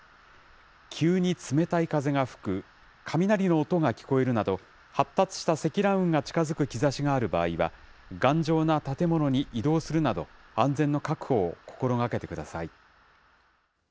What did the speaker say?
急に冷たい風が吹く、雷の音が聞こえるなど、発達した積乱雲が近づく兆しがある場合は、頑丈な建物に移動するなど、安全の確保を心がけてください。